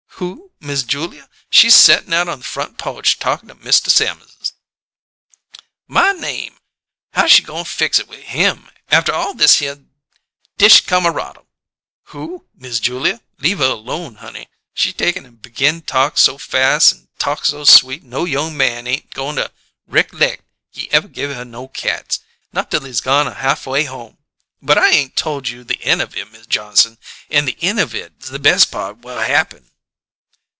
"Who? Miss Julia? She settin' out on the front po'che talkin' to Mista Sammerses." "My name! How she goin' fix it with him, after all thishere dishcumaraddle?" "Who? Miss Julia? Leave her alone, honey! She take an' begin talk so fas' an' talk so sweet, no young man ain't goin' to ricklect he ever give her no cats, not till he's gone an' halfway home! But I ain't tole you the en' of it, Miz Johnson, an' the en' of it's the bes' part whut happen."